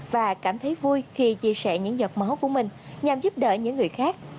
và cảm thấy vui khi chia sẻ những giọt máu của mình nhằm giúp đỡ những người khác